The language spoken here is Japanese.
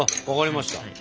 あわかりました。